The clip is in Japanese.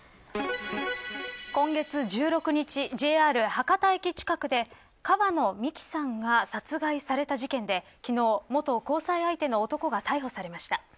今月１６日、ＪＲ博多駅近くで川野美樹さんが殺害された事件で昨日、元交際相手の男が逮捕されました。